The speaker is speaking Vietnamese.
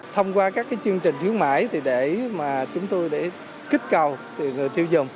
thông qua các chương trình khuyến mãi chúng tôi kích cầu người tiêu dùng